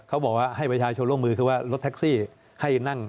เขาบอกว่าให้ประชาชนลงมือคือว่ารถแท็กซี่ให้นั่ง